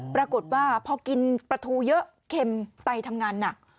ปรากฏว่าพอกินปลาทูเยอะเค็มไปทำงานหนัก